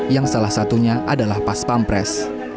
yang salah satunya adalah pas pampres